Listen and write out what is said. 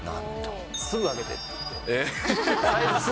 すぐあげてって言って。